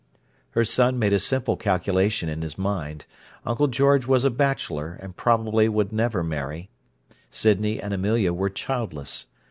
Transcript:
Her son made a simple calculation in his mind. Uncle George was a bachelor, and probably would never marry; Sydney and Amelia were childless.